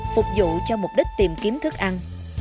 phục vụ cho mục đích tìm kiếm thức ăn